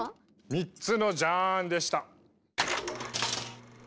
３つのジャーンでした！